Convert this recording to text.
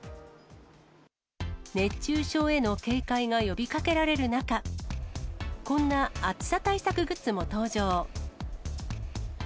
熱中症への警戒が呼びかけられる中、こんな暑さ対策グッズも登場。